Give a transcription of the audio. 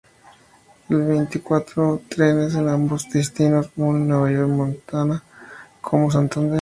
Veinticuatro trenes en ambos destinos unen Nueva Montaña con Santander.